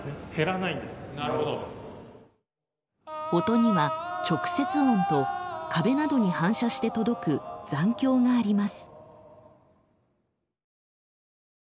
音には直接音と壁などに反射して届く残響があります。